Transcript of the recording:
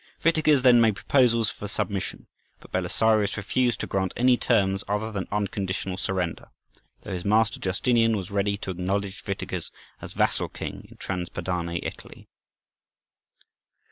Witiges then made proposals for submission; but Belisarius refused to grant any terms other than unconditional surrender, though his master Justinian was ready to acknowledge Witiges as vassal king in Trans Padane Italy.